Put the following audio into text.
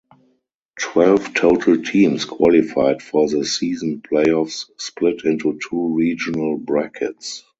Twelve total teams qualified for the season playoffs split into two regional brackets.